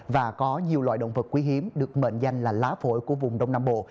và có nhiều loại động vật quý hiếm được mệnh danh là lá phổi của vùng đông nam bộ